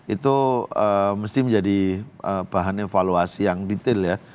itu mesti menjadi bahan evaluasi yang detail ya